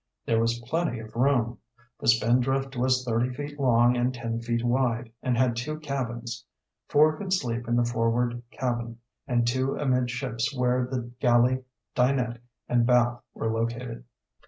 There was plenty of room. The Spindrift was thirty feet long and ten feet wide, and had two cabins. Four could sleep in the forward cabin, and two amidships where the galley, dinette, and bath were located.